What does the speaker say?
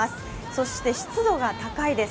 そして湿度が高いです。